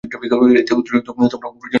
এতে শুধু অতিরিক্ত বা অপ্রয়োজনীয় লিঙ্ক থাকে।